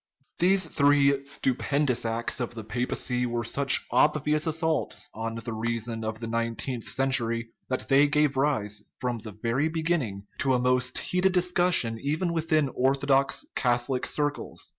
These three stupendous acts of the papacy were such obvious assaults on the reason of the nineteenth cen tury that they gave rise, from the very beginning, to a most heated discussion even within orthodox Catho lic circles.